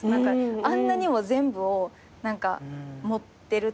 あんなにも全部を持ってるっていうか。